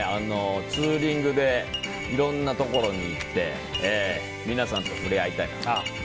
ツーリングでいろんなところに行って皆さんと触れ合いたいなと。